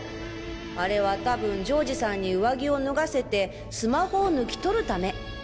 あれは多分丈治さんに上着を脱がせてスマホを抜き取るため。